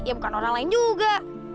ya bukan orang lain juga